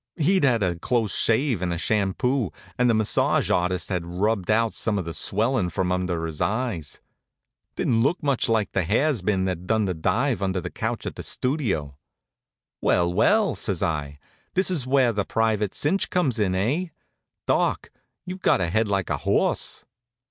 He'd had a close shave and a shampoo, and the massage artist had rubbed out some of the swellin' from under his eyes. Didn't look much like the has been that done the dive under the couch at the Studio. "Well, well!" says I. "This is where the private cinch comes in, eh? Doc, you've got a head like a horse."